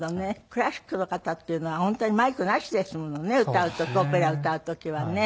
クラシックの方っていうのは本当にマイクなしですものねオペラ歌う時はね。